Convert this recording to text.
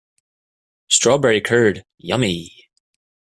Strawberry curd, yummy!